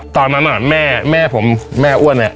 ตอนนั้นแม่แม่ผมแม่อ้วนเนี่ย